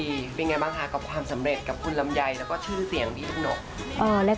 เป็นไงบ้างคะกับความสำเร็จกับคุณลำไยแล้วก็ชื่อเสียงพี่หนก